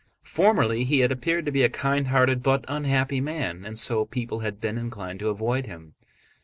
Formerly he had appeared to be a kindhearted but unhappy man, and so people had been inclined to avoid him.